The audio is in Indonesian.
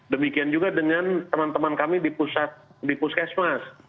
demikian juga dengan teman teman kami di puskesmas